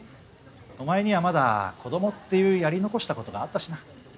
お前にはまだ子供っていうやり残したことがあったしな。